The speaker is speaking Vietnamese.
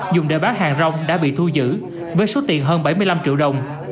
dùng để bán hàng rong đã bị thu giữ với số tiền hơn bảy mươi năm triệu đồng